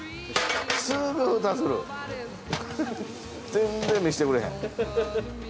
全然見せてくれへん。